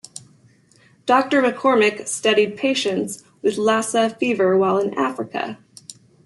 Doctor McCormick studied patients with Lassa Fever while in Africa.